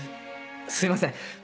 すいません！